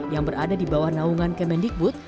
yang berada di bawah naungan kemendikbud